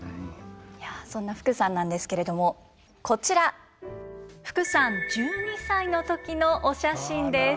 そんな福さんなんですけれどもこちら福さん１２歳の時のお写真です。